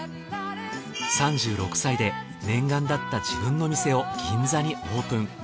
３６歳で念願だった自分の店を銀座にオープン。